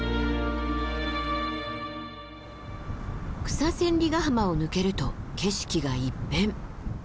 草千里ヶ浜を抜けると景色が一変。